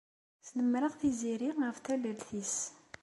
Snemmreɣ Tiziri ɣef tallalt-nnes.